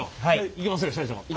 いきますよ社長！